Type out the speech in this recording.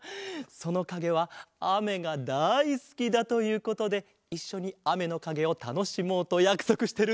そのかげはあめがだいすきだということでいっしょにあめのかげをたのしもうとやくそくしてるんだアハハ。